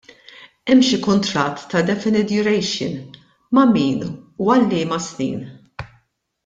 Hemm xi kuntratt ta' definite duration, ma' min u għal liema snin?